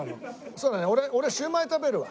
そうだね俺シウマイ食べるわ。